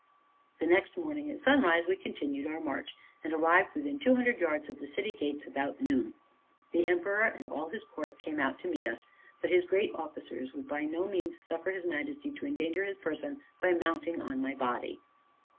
The next morning at sunrise we continued our march, and arrived within two hundred yards of the city gates about noon. The emperor, and all his court, came out to meet us, but his great officers would by no means suffer his Majesty to endanger his person by mounting on my body.